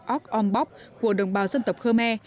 ork on bok của đồng bào dân tộc khmer